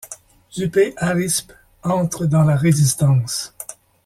Dutey-Harispe entre dans la Résistance.